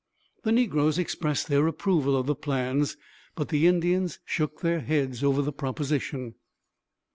The negroes expressed their approval of the plans, but the Indians shook their heads over the proposition.